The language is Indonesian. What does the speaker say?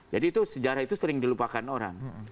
jadi itu sejarah itu sering dilupakan orang